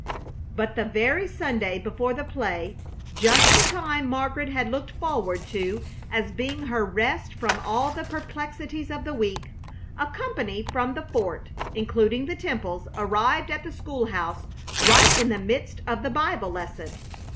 But the very Sunday before the play, just the time Margaret had looked forward to as being her rest from all the perplexities of the week, a company from the fort, including the Temples, arrived at the school house right in the midst of the Bible lesson.